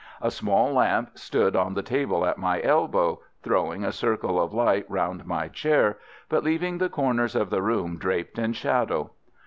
A small lamp stood on the table at my elbow, throwing a circle of light round my chair, but leaving the corners of the room draped in shadow.